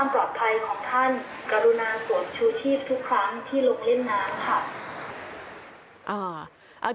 กรุณาสวนชูชีพทุกครั้งที่ลงเล่นน้ำค่ะ